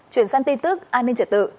chuyển sang tin tức an ninh trợ tự